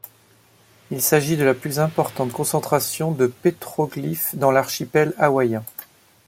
Il s'agit de la plus importante concentration de pétroglyphes dans l'archipel hawaïen.